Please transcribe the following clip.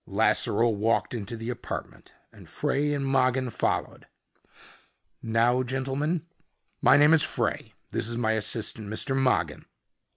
Lasseroe walked into the apartment and Frey and Mogin followed. "Now, gentlemen?" "My name is Frey. This is my assistant, Mr. Mogin."